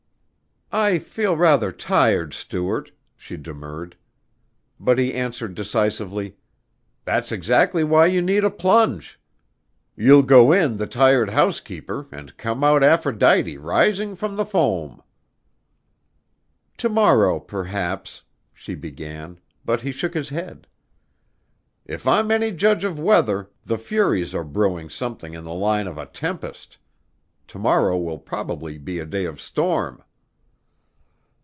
"I feel rather tired, Stuart," she demurred. But he answered decisively, "That's exactly why you need a plunge. You'll go in the tired housekeeper and come out Aphrodite rising from the foam." "To morrow perhaps " she began, but he shook his head. "If I'm any judge of weather the furies are brewing something in the line of a tempest. To morrow will probably be a day of storm."